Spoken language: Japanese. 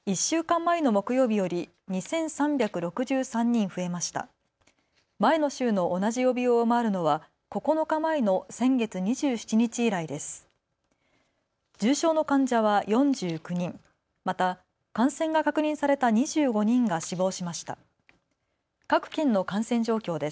前の週の同じ曜日を上回るのは９日前の先月２７日以来です。